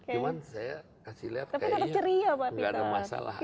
cuman saya kasih lihat kayaknya gak ada masalah aja